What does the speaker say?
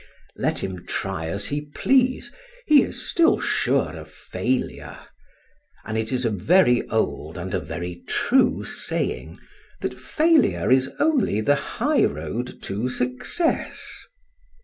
Let him try as he please, he is still sure of failure; and it is a very old and a very true saying that failure is the only highroad to success.